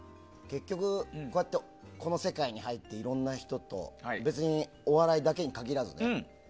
結局、こうやってこの世界に入っていろんな人と別にお笑いだけに限らずね。